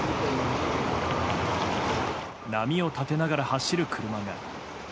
波を立てながら走る車が。